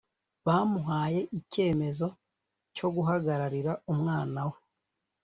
bamuhaye icyemezo cyo guhagararira umwana we